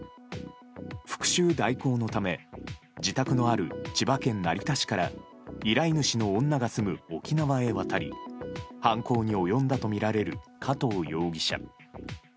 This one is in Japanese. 復讐代行のため自宅のある千葉県成田市から依頼主の女が住む沖縄へ渡り犯行に及んだとみられる加藤容疑者。